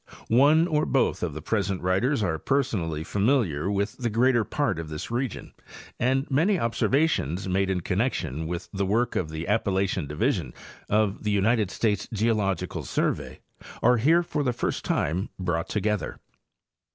One or both of the present writers are per sonally familiar with the greater part of this region, and many observations made in connection with the work of the Appa lachian division of the United States Geological Survey are here for the first time brought together.